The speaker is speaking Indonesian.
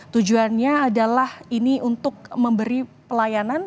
tujuannya adalah ini untuk memberi pelayanan